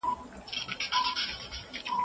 درومي لالونه د خزان لوڼو ته